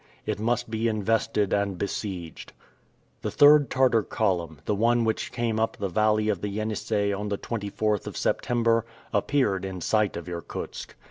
It must be invested and besieged. The third Tartar column the one which came up the valley of the Yenisei on the 24th of September appeared in sight of Irkutsk.